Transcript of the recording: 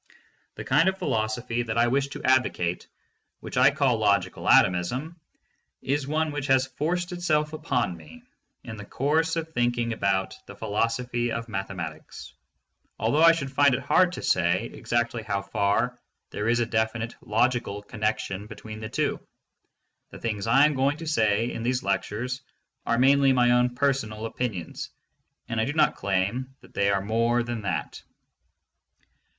The kind of philosophy that I wish to advocate, which I call Logical Atomism, is one which has forced itself upon me in the course of think ing about the philosophy of mathematics, although I should find it hard to say exactly how far there is a definite logical connection between the two. The things I am going to say in these lectures are mainly my own personal opinions and I do not claim that they are more than that.